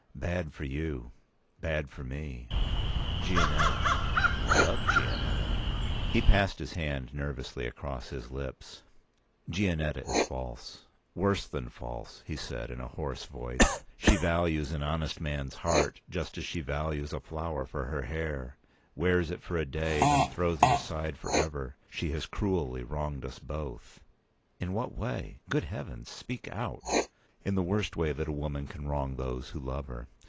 "Bad for you—bad for me. Gianetta." "What of Gianetta?" He passed his hand nervously across his lips. "Gianetta is false—worse than false," he said, in a hoarse voice. "She values an honest p. 200man's heart just as she values a flower for her hair—wears it for a day, then throws it aside for ever. She has cruelly wronged us both." "In what way? Good Heavens, speak out!" "In the worst way that a woman can wrong those who love her.